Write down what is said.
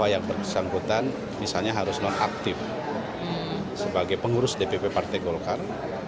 yang bersangkutan misalnya harus nonaktif sebagai pengurus dpp partai golkar